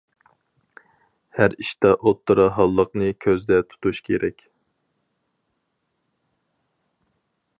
ھەر ئىشتا ئوتتۇرا ھاللىقنى كۆزدە تۇتۇش كېرەك.